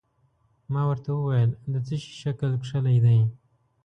ما ورته وویل: د څه شي شکل کښلی دی؟